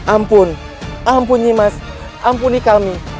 ampun ampun nyimaz ampuni kami